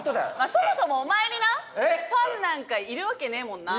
そもそもお前になファンなんかいるわけねえもんな。